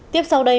tiếp sau đây